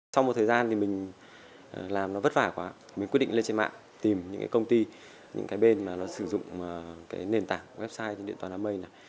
sau một thời gian thì mình làm nó vất vả quá mình quyết định lên trên mạng tìm những cái công ty những cái bên mà nó sử dụng cái nền tảng website điện toán đám mây này